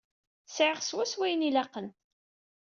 Sɛiɣ swaswa ayen i k-ilaqen.